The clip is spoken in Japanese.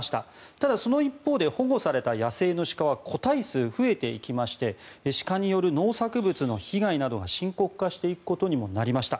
ただ、その一方で保護された野生の鹿は個体数が増えていきまして鹿による農作物の被害などが深刻化していくことにもなりました。